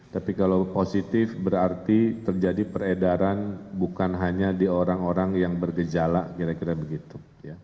tapi kalau positif berarti terjadi peredaran bukan hanya di orang orang yang bergejala kira kira begitu